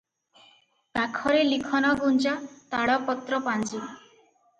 କାଖରେ ଲିଖନଗୁଞ୍ଜା ତାଳପତ୍ର-ପାଞ୍ଜି ।